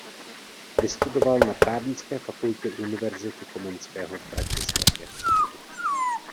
Vystudoval na Právnické fakultě Univerzity Komenského v Bratislavě.